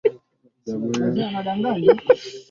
Mwene Kongo au Manikongo wa kabila la Bakongo